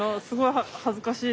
お恥ずかしい。